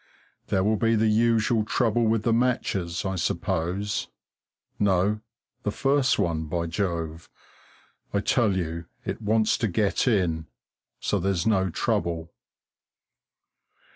There will be the usual trouble with the matches, I suppose no, the first one, by Jove! I tell you it wants to get in, so there's no trouble.